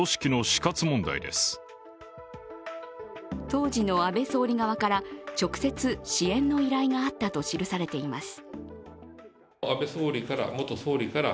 当時の安倍総理側から直接、支援の依頼があったと記されています。